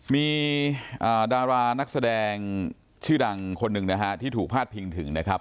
มีดารานักแสดงชื่อดังคนหนึ่งนะฮะที่ถูกพาดพิงถึงนะครับ